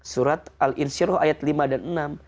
surat al insyirrah ayat lima dan enam